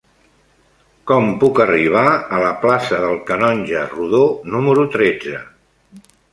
Com puc arribar a la plaça del Canonge Rodó número tretze?